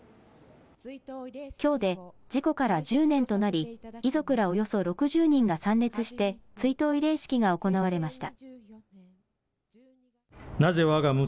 きょうで事故から１０年となり遺族らおよそ６０人が参列して追悼慰霊式が行われました。